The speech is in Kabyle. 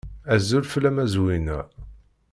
Azul fell-am a Zwina.